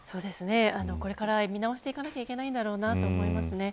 これから見直していかなきゃいけないのだろうと思います。